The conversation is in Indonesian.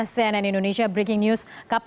cnn indonesia breaking news